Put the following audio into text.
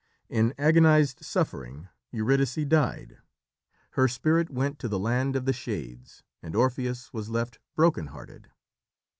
In agonised suffering Eurydice died. Her spirit went to the land of the Shades, and Orpheus was left broken hearted.